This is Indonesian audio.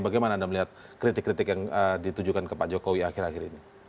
bagaimana anda melihat kritik kritik yang ditujukan ke pak jokowi akhir akhir ini